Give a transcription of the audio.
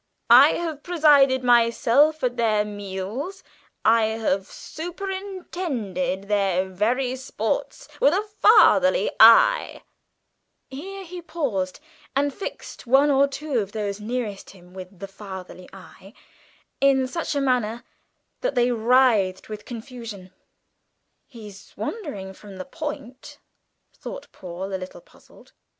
I have presided myself at their meals, I have superintended their very sports with a fatherly eye " Here he paused, and fixed one or two of those nearest him with the fatherly eye in such a manner that they writhed with confusion. "He's wandering from the point," thought Paul, a little puzzled.